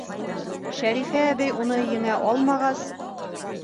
Шәрифә әбей уны еңә алмағас: